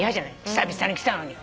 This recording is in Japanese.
久々に来たのに。